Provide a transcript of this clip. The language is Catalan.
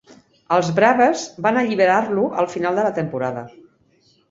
Els Braves van alliberar-lo al final de la temporada.